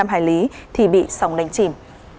ba mươi năm hải lý thì bị sóng đánh chìm